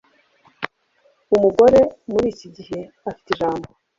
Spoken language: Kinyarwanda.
Umugore muriki gihe afite ijambo